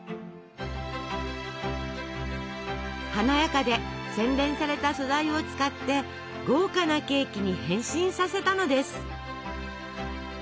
華やかで洗練された素材を使って豪華なケーキに変身させたのです。